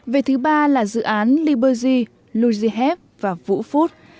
về thứ ba là dự án liberge lugihep và vufoot